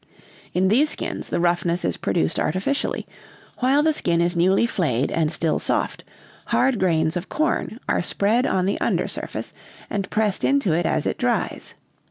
In these skins, the roughness is produced artificially; while the skin is newly flayed and still soft, hard grains of corn are spread on the under surface, and pressed into it as it dries.